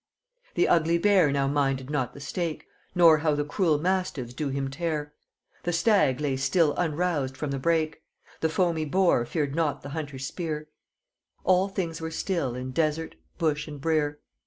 The ugly bear now minded not the stake, Nor how the cruel mastives do him tear; The stag lay still unroused from the brake; The foamy boar feared not the hunter's spear: All things were still in desert, bush and breer.